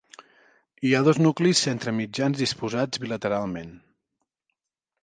Hi ha dos nuclis centre-mitjans disposats bilateralment.